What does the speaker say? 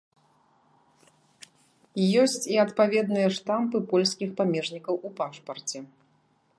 Ёсць і адпаведныя штампы польскіх памежнікаў у пашпарце.